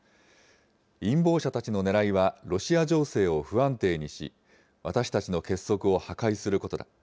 陰謀者たちのねらいはロシア情勢を不安定にし、私たちの結束を破壊することだ。